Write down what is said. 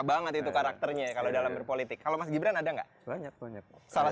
banget itu karakternya kalau dalam berpolitik kalau masih beranada enggak banyak banyak salah